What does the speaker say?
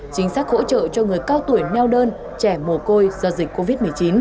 chính sách hỗ trợ cho người cao tuổi neo đơn trẻ mồ côi do dịch covid một mươi chín